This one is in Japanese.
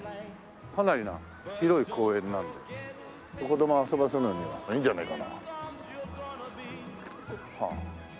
かなりな広い公園なんで子供を遊ばせるのにはいいんじゃないかな。